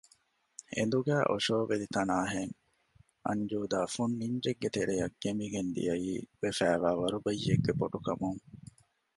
އެނދުގައި އޮށޯވެލި ތަނާހެން އަންޖޫދާ ފުން ނިންޖެއްގެ ތެރެއަށް ގެނބިގެން ދިއައީ ވެފައިވާ ވަރުބައްޔެއްގެ ބޮޑުކަމުން